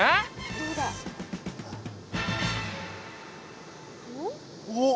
どうだ？おっ？